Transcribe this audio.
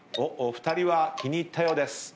お二人は気に入ったようです。